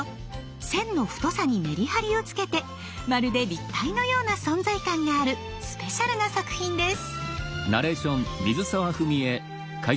線の太さにメリハリをつけてまるで立体のような存在感があるスペシャルな作品です。